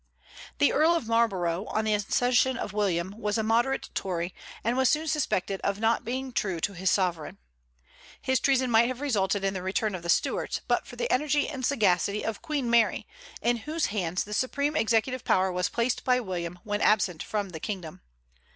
The Earl of Marlborough, on the accession of William, was a moderate Tory, and was soon suspected of not being true to his sovereign. His treason might have resulted in the return of the Stuarts but for the energy and sagacity of Queen Mary, in whose hands the supreme executive power was placed by William when absent from the kingdom.